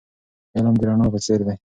علم د رڼا په څېر دی.